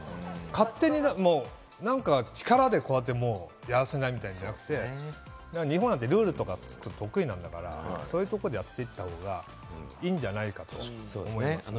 勝手に何か力でやらせないみたいじゃなくて、日本なんで、ルールとか得意なんだから、そういうとこでやってった方がいいんじゃないかと思います。